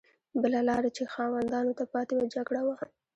بله لار چې خاوندانو ته پاتې وه جګړه وه.